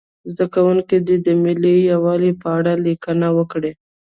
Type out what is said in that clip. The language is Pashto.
زده کوونکي دې د ملي یووالي په اړه لیکنه وکړي.